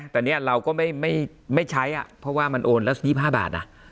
แต่เนี่ยเราก็ไม่ใช้เพราะว่ามันโอนแล้ว๒๕บาท